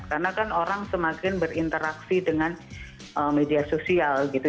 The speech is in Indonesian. karena kan orang semakin berinteraksi dengan media sosial gitu